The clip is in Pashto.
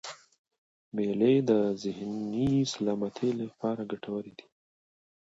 مېلې د ذهني سلامتۍ له پاره ګټوري يي.